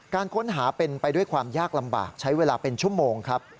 การค้นหาเป็นไปด้วยความยากลำบากใช้เวลาเป็นชั่วโมงครับ